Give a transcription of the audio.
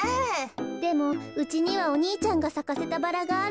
でもうちにはお兄ちゃんがさかせたバラがあるのよね。